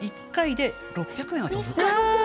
１回で６００円は飛ぶ。